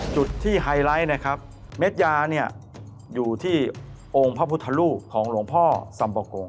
จุดที่ไฮไลท์นะครับเม็ดยาเนี่ยอยู่ที่องค์พระพุทธรูปของหลวงพ่อสัมปะโกง